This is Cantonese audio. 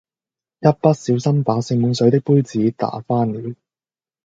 一不小心把盛滿水的杯子打翻了